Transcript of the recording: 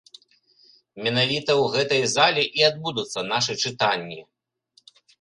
Менавіта ў гэтай зале і адбудуцца нашы чытанні.